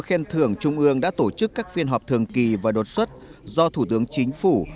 khen thưởng trung ương đã tổ chức các phiên họp thường kỳ và đột xuất do thủ tướng chính phủ